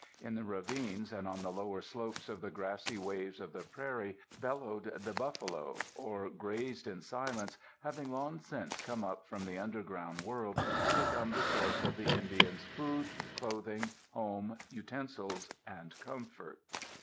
In the ravines and on the lower slopes of the grassy waves of the prairie bellowed the buffalo, or grazed in silence, having long since come up from the underground world and become the source of the Indian's food, clothing, home, utensils, and comfort.